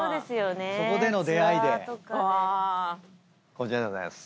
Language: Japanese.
こちらでございます。